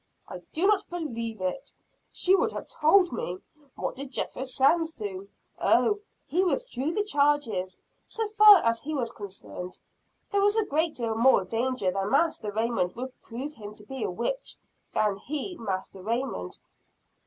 "I do not believe it she would have told me. What did Jethro Sands do?" "Oh, he withdrew the charges, so far as he was concerned. There was a great deal more danger that Master Raymond would prove him to be a witch, than he Master Raymond."